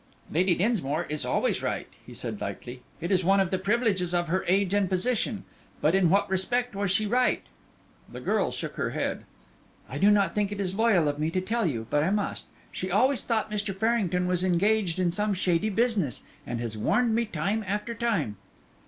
"Lady Dinsmore is always right," he said, lightly; "it is one of the privileges of her age and position. But in what respect was she right?" The girl shook her head. "I do not think it is loyal of me to tell you, but I must. She always thought Mr. Farrington was engaged in some shady business and has warned me time after time."